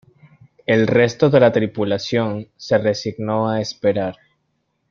El resto de la tripulación se resignó a esperar.